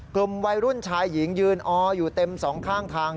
กลุ่มวัยรุ่นชายหญิงยืนอออยู่เต็มสองข้างทาง